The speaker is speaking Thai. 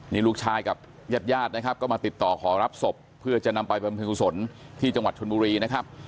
นี่ลูกชายกับญาติญาตินะครับก็มาติดต่อขอรับศพเพื่อจะนำไปบำเพ็ญกุศลที่จังหวัดชนบุรีนะครับ